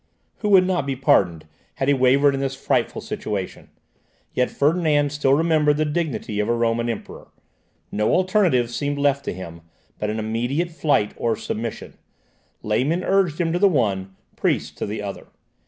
Who would not be pardoned had he wavered in this frightful situation? Yet Ferdinand still remembered the dignity of a Roman emperor. No alternative seemed left to him but an immediate flight or submission; laymen urged him to the one, priests to the other.